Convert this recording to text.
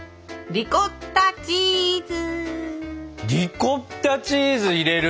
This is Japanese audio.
リコッタチーズ入れる？